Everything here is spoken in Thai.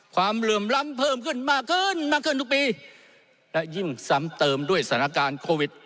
เหลื่อมล้ำเพิ่มขึ้นมากขึ้นมากขึ้นทุกปีและยิ่งซ้ำเติมด้วยสถานการณ์โควิด